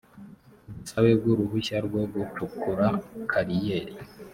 ubusabe bw uruhushya rwo gucukura kariyeri